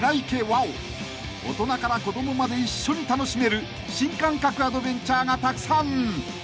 ［大人から子供まで一緒に楽しめる新感覚アドベンチャーがたくさん］